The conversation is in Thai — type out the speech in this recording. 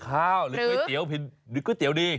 หรือก๋วยเตี๋ยวหรือก๋วยเตี๋ยวดี